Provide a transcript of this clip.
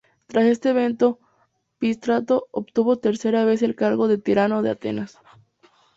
Tras este evento, Pisístrato obtuvo tercera vez el cargo de tirano de Atenas.